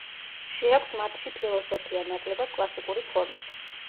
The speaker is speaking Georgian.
შეაქვს მათში ფილოსოფია ნაკლებად კლასიკური ფორმით.